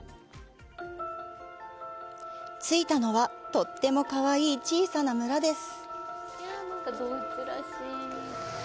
着いたのは、とってもかわいい小さな村です。